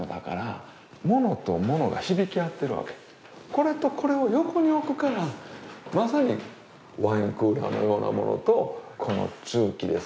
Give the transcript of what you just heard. これとこれを横に置くからまさにワインクーラーのようなものとこの鍮器ですね